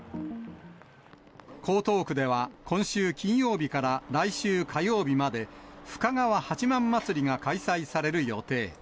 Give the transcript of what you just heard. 江東区では、今週金曜日から来週火曜日まで、深川八幡祭りが開催される予定。